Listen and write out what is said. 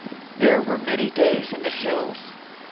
There were many days in the hills.